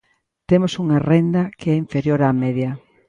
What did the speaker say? Temos unha renda que é inferior á media.